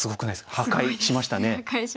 破壊しました。